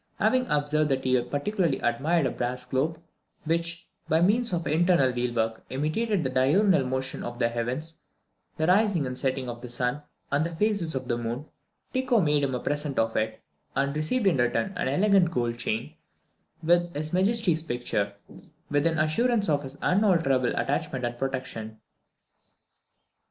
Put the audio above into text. Having observed that he particularly admired a brass globe, which, by means of internal wheelwork, imitated the diurnal motion of the heavens, the rising and setting of the sun, and the phases of the moon, Tycho made him a present of it, and received in return an elegant gold chain, with his Majesty's picture, with an assurance of his unalterable attachment and protection.